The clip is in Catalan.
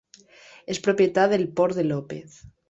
És propietat del Port de López.